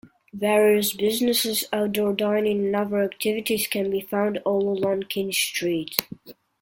Various businesses, outdoor dining and other activities can be found all along King Street.